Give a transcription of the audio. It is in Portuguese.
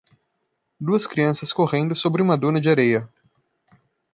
Duas crianças correndo sobre uma duna de areia.